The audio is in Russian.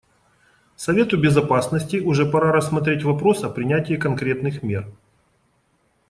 Совету Безопасности уже пора рассмотреть вопрос о принятии конкретных мер.